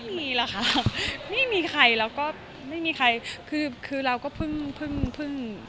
ไม่มีหรอกค่ะไม่มีใครเราก็ไม่มีใครคือเราก็เพิ่ง